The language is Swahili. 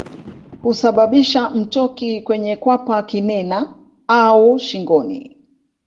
Husababisha mtoki kwenye kwapa kinena au shingoni